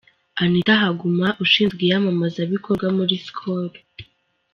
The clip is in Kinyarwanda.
Anita Haguma ushinzwe iyamamazabikorwa muri Skol.